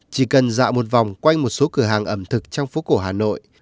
chỉ cần dạo một vòng quanh một số cửa hàng ẩm thực trong phố cổ hà nội